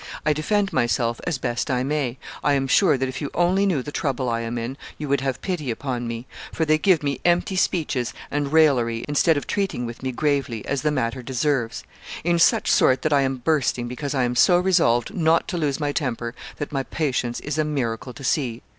I defend myself as best I may. .. I am sure that if you only knew the trouble I am in, you would have pity upon me, for they give me empty speeches and raillery instead of treating with me gravely, as the matter deserves; in such sort that I am bursting, because I am so resolved not to lose my temper that my patience is a miracle to see.